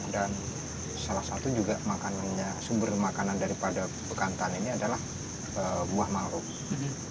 dan salah satu sumber makanan dari bekantan ini adalah buah mangrove